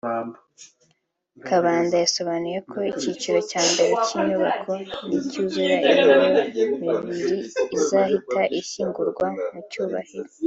Kabanda yasobanuye ko icyiciro cya mbere cy’inyubako nicyuzura iyo mibiri izahita ishyingurwa mu cyubahiro